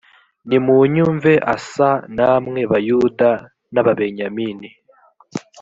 nimunyumve asa namwe bayuda n ababenyamini